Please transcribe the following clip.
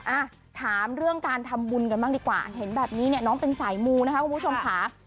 อ่ะถามเรื่องการทำบุญกันบ้างดีกว่าเห็นแบบนี้เนี่ยน้องเป็นสายมูนะคะคุณผู้ชมค่ะ